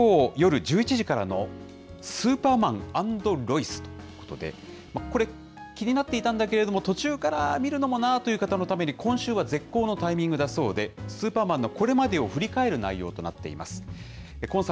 こちら、日曜夜１１時からのスーパーマン＆ロイスということで、これ、気になっていたんだけれども、途中から見るのもなーという方のために今週は絶好のタイミングだそうで、スーパーマンのこれまでの振り返る内容となっています。